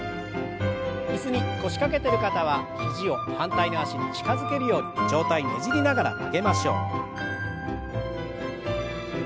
椅子に腰掛けてる方は肘を反対の脚に近づけるように上体ねじりながら曲げましょう。